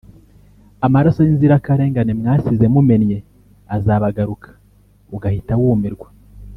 ”Amaraso y’inzirakarengane mwasize mumennye azabagaruka” ugahita wumirwa